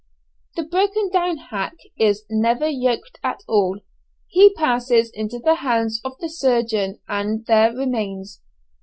The broken down hack is never yoked at all, he passes into the hands of the surgeon, and there remains.